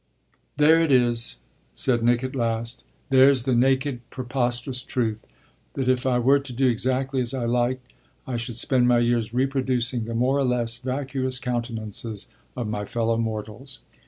"There it is," said Nick at last "there's the naked, preposterous truth: that if I were to do exactly as I liked I should spend my years reproducing the more or less vacuous countenances of my fellow mortals.